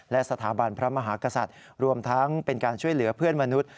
และสถาบันพระมหากษัตริย์รวมทั้งเป็นการช่วยเหลือเพื่อนมนุษย์